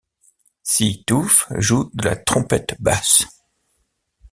Cy Touff joue de la trompette basse.